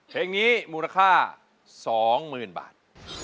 เพลงนี้มูลค่า๒๐๐๐บาท